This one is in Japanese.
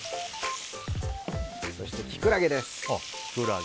そして、キクラゲです。